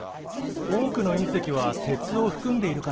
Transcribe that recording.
多くの隕石は鉄をふくんでいるからね。